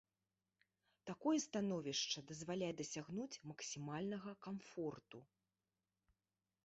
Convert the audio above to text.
Такое становішча дазваляе дасягнуць максімальнага камфорту.